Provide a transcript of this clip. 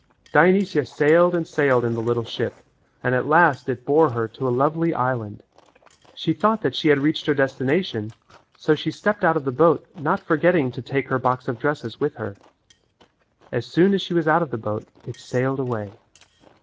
Dionysia sailed and sailed in the little ship and at last it bore her to a lovely island. She thought that she had reached her destination, so she stepped out of the boat not forgetting to take her box of dresses with her. As soon as she was out of the boat it sailed away.